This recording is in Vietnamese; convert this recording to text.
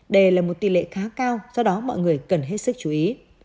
đây là một tỷ lệ khá cao do đó mọi người cần hết sức chú ý